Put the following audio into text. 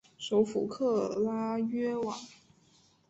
首府克拉约瓦。